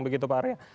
begitu pak arya